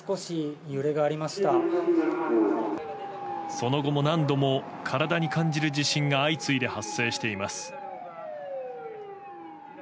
その後も何度も体に感じる地震が相次いで発生しています。